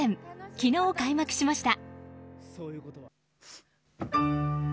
昨日開幕しました。